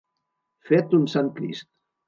Fet un sant Crist.